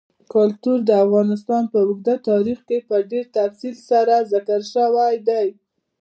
کلتور د افغانستان په اوږده تاریخ کې په ډېر تفصیل سره ذکر شوی دی.